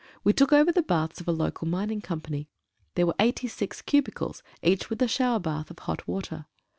We took over the baths of a local mining company. There were eighty six cubicles, each with a shower bath of hot water.